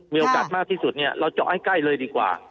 มีโอกาสมากที่สุดเนี่ยเราเจาะให้ใกล้เลยดีกว่า